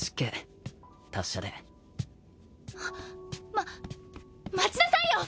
ま待ちなさいよ！